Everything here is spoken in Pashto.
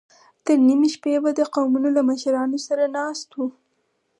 تر نيمې شپې به د قومونو له مشرانو سره ناست و.